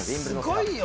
すごいよ！